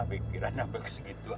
pikiran abang segitu